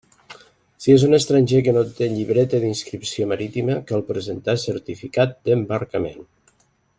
Si és un estranger que no té Llibreta d'inscripció marítima, cal presentar certificat d'embarcament.